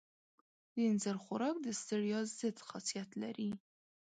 د اینځر خوراک د ستړیا ضد خاصیت لري.